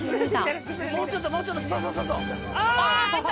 もうちょっともうちょっとそうそうそうそう！